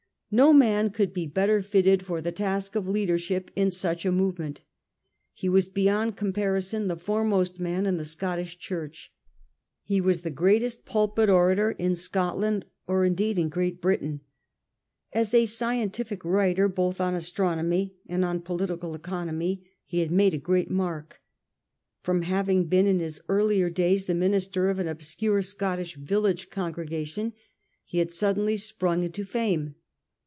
No man could he better fitted for the task of leadership in such a movement. He was beyond comparison the foremost man in the Scottish Church. He was the greatest pulpit orator in Scot land, or, indeed, in Great Britain. As a scientific writer, both on astronomy and on political economy, he had made a great mark. From having been in his earlier days the minister of an obscure Scottish village congregation, he had suddenly sprung into fame.